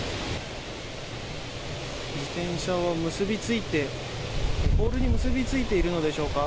自転車はポールに結びついているのでしょうか。